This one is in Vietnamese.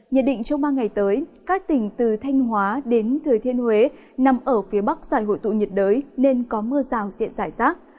nhiệt định trong ba ngày tới các tỉnh từ thanh hóa đến thừa thiên huế nằm ở phía bắc giải hội tụ nhiệt đới nên có mưa rào diện giải rác